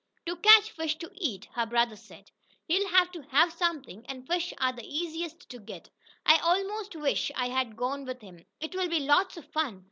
"To catch fish to eat," her brother said. "He'll have to have something, and fish are the easiest to get. I almost wish I had gone with him. It will be lots of fun."